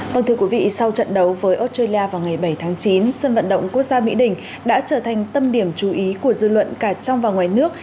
vâng thưa quý vị sau trận đấu với australia vào ngày bảy tháng chín sân vận động quốc gia mỹ đình đã trở thành tâm điểm chú ý của dư luận cả trong và ngoài nước